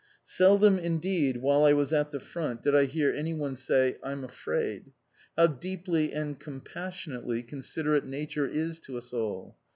Seldom indeed while I was at the front did I hear anyone say, "I'm afraid." How deeply and compassionately considerate Nature is to us all!